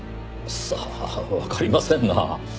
さあわかりませんなあ。